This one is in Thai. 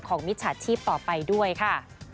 มิจฉาชีพต่อไปด้วยค่ะ